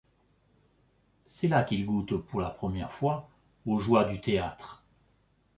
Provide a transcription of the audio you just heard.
C’est là qu’il goûte pour la première fois aux joies du théâtre.